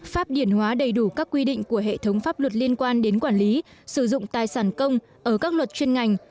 pháp điển hóa đầy đủ các quy định của hệ thống pháp luật liên quan đến quản lý sử dụng tài sản công ở các luật chuyên ngành